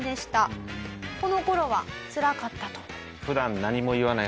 この頃はつらかったと。